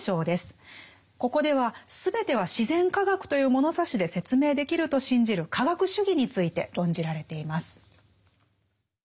ここでは全ては自然科学という物差しで説明できると信じる科学主義について論じられています。